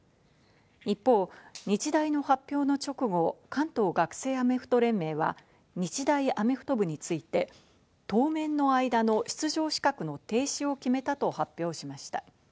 一方、日大の発表の直後、関東学生アメフト連盟は、日大アメフト部について、当面の間の出場資格の停止を決めたと発表しました。